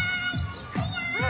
いくよ！